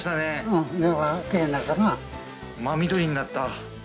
真緑になった。